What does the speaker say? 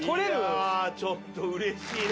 いやちょっとうれしいね。